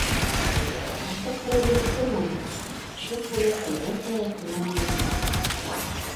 Артыҡ һорау биреп торманым, шым ғына Сәйҙә апай артынан эйәрҙем.